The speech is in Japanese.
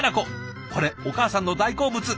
これお母さんの大好物。